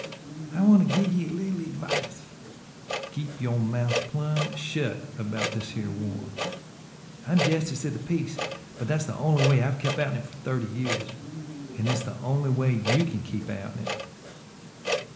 "I want to give ye a leetle advice. Keep yo' mouth plum' shut about this here war. I'm Jestice of the Peace, but that's the only way I've kept outen of it fer thirty years; an' hit's the only way you can keep outen it."